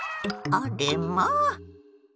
あれまあ！